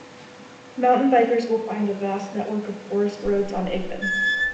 Mountain bikers will find a vast network of forest roads on Igman.